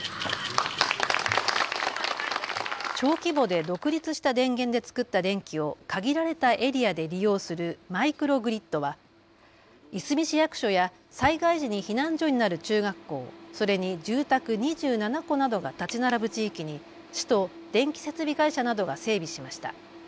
小規模で独立した電源でつくった電気を限られたエリアで利用するマイクログリッドはいすみ市役所や災害時に避難所になる中学校、それに住宅２７戸などが建ち並ぶ地域に市と電気設備会社などが整備しました。